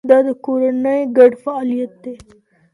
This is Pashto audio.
دا د کورنۍ ګډ فعالیت دی.